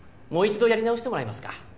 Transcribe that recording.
もう一度やり直してもらえますか。